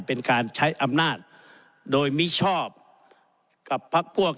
เป็นการใช้อำนาจโดยมิชอบกับพักพวก